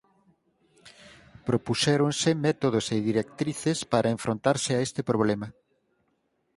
Propuxéronse métodos e directrices para enfrontarse a este problema.